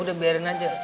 udah biarin aja